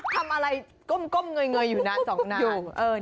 ทำอะไรก้มเงยอยู่นานสองแนว